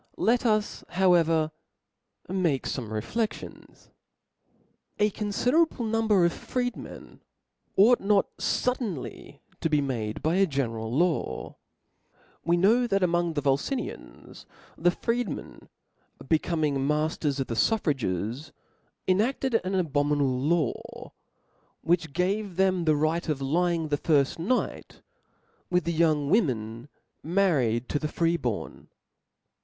Let us however make fome rcflcftions. A confiderable number of freed men ought notfud* denly to be made by a general law. We know thac («) Frcin among the Volfinienfes (^) the freedmen becoming ftemms's maftersof the fuffragcs, enafted an abominable law, mcnt, id which gave them the right of lying the firft nigh| lib.^.' with the young women married to the free born.